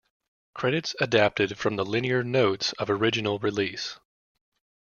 Credits adapted from the liner notes of original release.